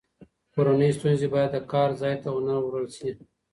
کورنۍ ستونزې باید د کار ځای ته ونه وړل شي.